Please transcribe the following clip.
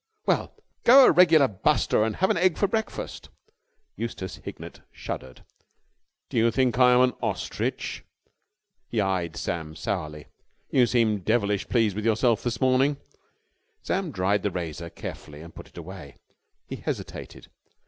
"Well, go a regular buster and have an egg for breakfast." Eustace Hignett shuddered. "Do you think I am an ostrich?" He eyed Sam sourly. "You seem devilish pleased with yourself this morning!" Sam dried the razor carefully and put it away. He hesitated.